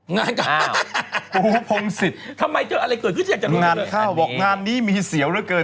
งานข้าวปูพงศิษย์งานข้าวบอกงานนี้มีเสียวเหลือเกิน